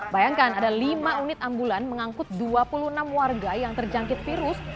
bayangkan ada lima unit ambulan mengangkut dua puluh enam warga yang terjangkit virus